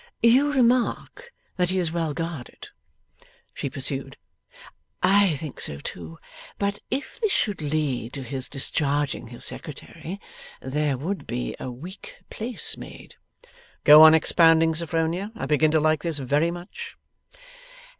'You remark that he is well guarded,' she pursued. 'I think so too. But if this should lead to his discharging his Secretary, there would be a weak place made.' 'Go on expounding, Sophronia. I begin to like this very much.